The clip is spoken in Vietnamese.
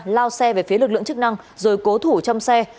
lao xe về phía lực lượng chức năng rồi cố thủ trong xe